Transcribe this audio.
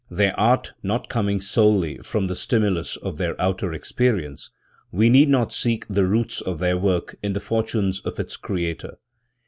Their art not coming solely from the stimulus of their outer experience, we need not seek the roots of their work in the fortunes of its creator.